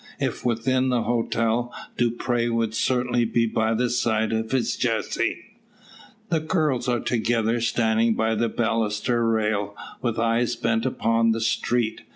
If within the hotel, Dupre would certainly be by the side of his Jessie. The girls are together, standing by the baluster rail, with eyes bent upon the street.